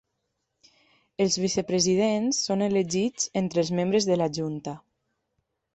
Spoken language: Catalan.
Els vicepresidents són elegits entre els membres de la junta.